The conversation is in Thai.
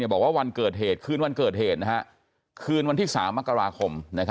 บอกว่าวันเกิดเหตุคืนวันเกิดเหตุคืนวันที่๓มกราคม